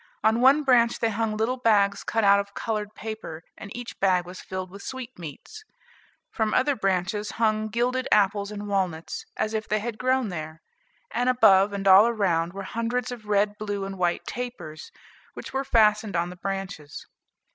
On one branch they hung little bags cut out of colored paper, and each bag was filled with sweetmeats; from other branches hung gilded apples and walnuts, as if they had grown there; and above, and all round, were hundreds of red, blue, and white tapers, which were fastened on the branches.